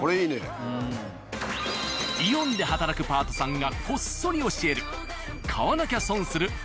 「イオン」で働くパートさんがこっそり教える買わなきゃ損する